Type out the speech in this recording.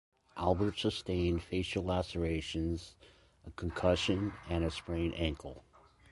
Albert sustained facial lacerations, a concussion, and a sprained ankle.